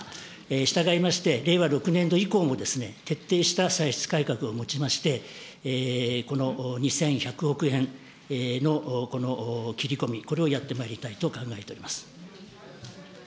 従いましてですね、令和６年度以降も、徹底した歳出改革をもちまして、この２１００億円のこの切り込み、これをやってまいりたいと考えております。